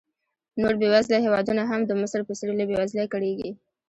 نور بېوزله هېوادونه هم د مصر په څېر له بېوزلۍ کړېږي.